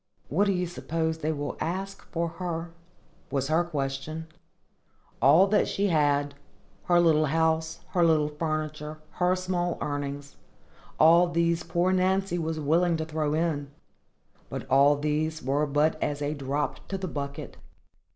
"What do you suppose they will ask for her?" was her question. All that she had,—her little house, her little furniture, her small earnings,—all these poor Nancy was willing to throw in; but all these were but as a drop to the bucket.